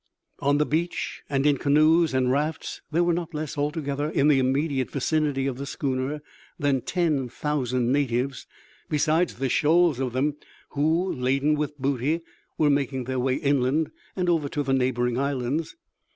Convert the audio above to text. On the beach, and in canoes and rafts, there were not less, altogether, in the immediate vicinity of the schooner, than ten thousand natives, besides the shoals of them who, laden with booty, were making their way inland and over to the neighbouring islands.